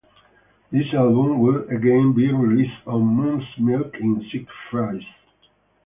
This album will again be re-released on "Moon's Milk In Six Phases".